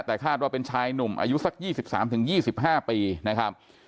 แต่คาดว่าเป็นชายหนุ่มอายุสัก๒๓๒๕ปีนะครับ